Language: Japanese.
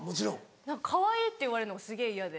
かわいいって言われるのがすげぇ嫌で。